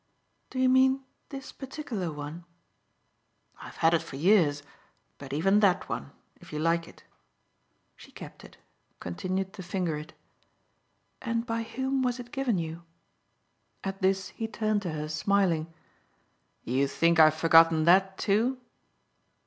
"Do you mean this particular one?" "I've had it for years but even that one if you like it." She kept it continued to finger it. "And by whom was it given you?" At this he turned to her smiling. "You think I've forgotten that too?"